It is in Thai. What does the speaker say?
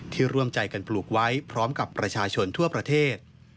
ร่วมใจกันปลูกไว้พร้อมกับประชาชนทั่วประเทศ